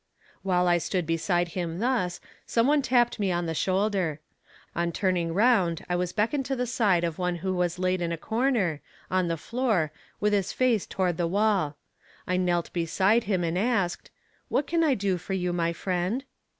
While I stood beside him thus, someone tapped me on the shoulder. On turning round I was beckoned to the side of one who was laid in a corner, on the floor, with his face toward the wall. I knelt beside him and asked: "What can I do for you, my friend?"